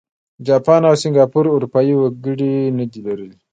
جاپان او سینګاپور اروپايي وګړي نه دي لرلي.